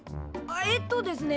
えっとですね。